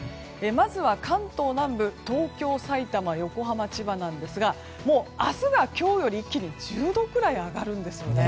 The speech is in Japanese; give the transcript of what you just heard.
まずは関東南部東京、さいたま、横浜千葉なんですがもう明日が今日より一気に１０度くらい上がるんですね。